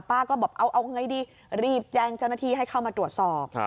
ก็บอกเอาไงดีรีบแจ้งเจ้าหน้าที่ให้เข้ามาตรวจสอบ